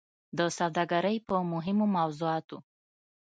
د سوداګرۍ په مهمو موضوعاتو